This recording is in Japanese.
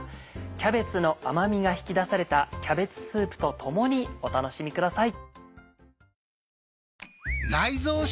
キャベツの甘味が引き出された「キャベツスープ」とともにお楽しみください。